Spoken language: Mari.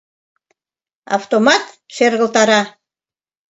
Автомат шергылтара.